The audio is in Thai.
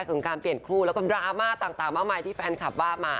ถึงการเปลี่ยนคู่แล้วก็ดราม่าต่างมากมายที่แฟนคลับว่ามา